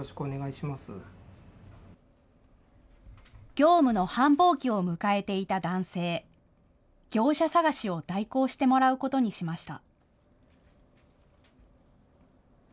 業務の繁忙期を迎えていた男性、業者探しを代行してもらうことにしました。